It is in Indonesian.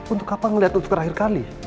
untuk apa ngelihat untuk terakhir kali